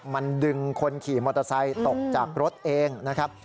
มันดึงคนขี่มอเตอร์ไซค์ตกจากรถเองนะครับ